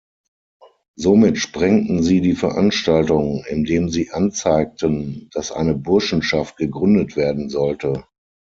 Somit sprengten sie die Veranstaltung, indem sie anzeigten, dass eine Burschenschaft gegründet werden sollte.